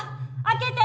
開けて。